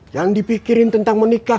yang dipikirin tentang menikah